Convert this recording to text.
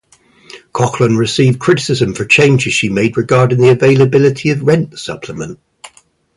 Coughlan received criticism for changes she made regarding the availability of rent supplement.